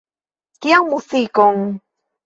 Kian muzikon?